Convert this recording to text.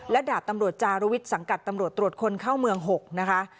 และดาบตำรวจจารุวิทย์สังกัดตำรวจตรวจคนเข้าเมือง๖นะคะ